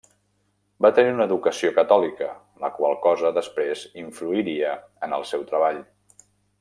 Va tenir una educació catòlica, la qual cosa després influiria en el seu treball.